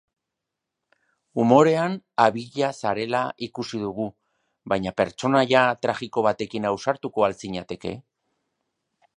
Umorean abila zarela ikusi dugu, baina pertsonaia tragiko batekin ausartuko al zinateke?